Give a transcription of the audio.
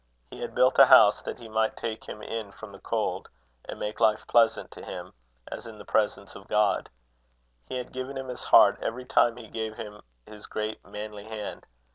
He had built a house that he might take him in from the cold, and make life pleasant to him, as in the presence of God. He had given him his heart every time he gave him his great manly hand.